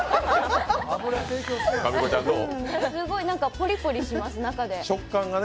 ポリポリします、中で。